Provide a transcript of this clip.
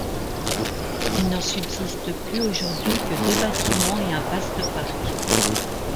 Il n'en subsiste plus aujourd'hui que deux bâtiments et un vaste parc.